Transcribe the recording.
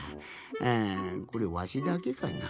あこれわしだけかな？